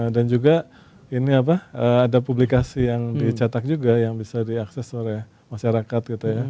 dan juga ini ada publikasi yang dicatat juga yang bisa diakses oleh masyarakat